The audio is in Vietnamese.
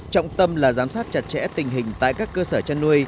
trọng tâm là giám sát chặt chẽ tình hình tại các cơ sở chăn nuôi